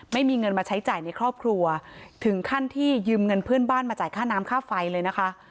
ไม่มีเงินมาใช้จ่ายในครอบครัวถึงขั้นที่ยืมเงินเพื่อนบ้านมาจ่ายค่าน้ำค่าไฟเลยนะคะ